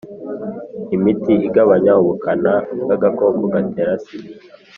imiti igabanya ubukana bw agakoko gatera sida